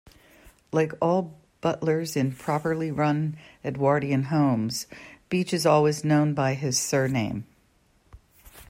Like all butlers in properly-run Edwardian homes, Beach is always known by his surname.